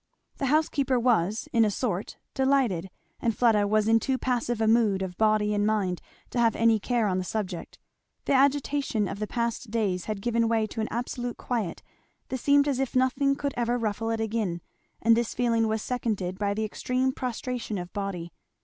The housekeeper was, in a sort, delighted; and Fleda was in too passive a mood of body and mind to have any care on the subject. The agitation of the past days had given way to an absolute quiet that seemed as if nothing could ever ruffle it again, and this feeling was seconded by the extreme prostration of body.